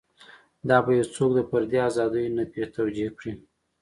دا به یو څوک د فردي ازادیو نفي توجیه کړي.